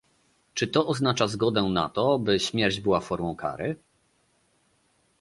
Czy to oznacza zgodę na to, by śmierć była formą kary?